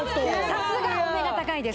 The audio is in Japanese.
さすがお目が高いです